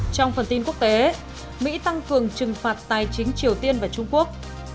trong phần tin quốc tế mỹ tăng cường trừng phạt tài chính triều tiên và trung quốc